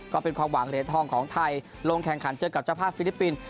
ก็เป็นความหวังเหรียญทองของไทยลงแข่งขันเจอกับเจ้าภาพฟิลิปปินส์